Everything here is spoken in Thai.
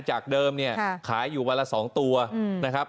จากเดิมเนี่ยขายอยู่วันละ๒ตัวนะครับ